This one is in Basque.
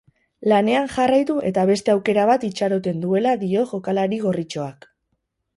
Lanean jarraitu eta beste aukera bat itxaroten duela dio jokalari gorritxoak.